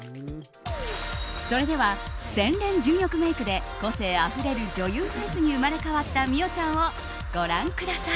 それでは、洗練純欲メイクで個性あふれる女優フェイスに生まれ変わった美桜ちゃんをご覧ください。